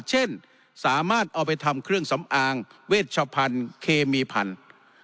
เช่นสามารถเอาไปทำเครื่องสำอางเวชพันธุ์เคมีพันธุ์